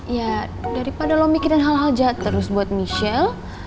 ya daripada lo mikirin hal hal jahat terus buat michelle